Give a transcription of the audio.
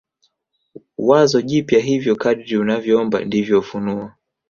wazo jipya Hivyo kadri unavyoomba ndivyo ufunuo